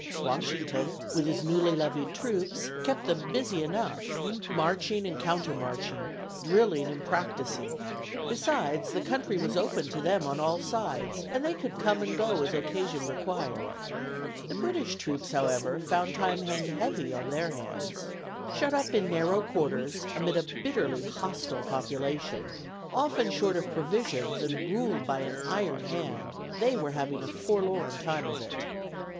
Washington, with his newly levied troops, kept them busy enough, marching and counter marching, drilling and practising; besides, the country was open to them on all sides, and they could come and go as occasion required. The British troops, however, found time hang heavy on their hands. Shut up in narrow quarters amid a bitterly hostile population, often short of provisions and ruled by an iron hand, they were having a forlorn time of it.